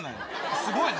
すごいね。